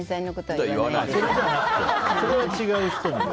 それは違う人で。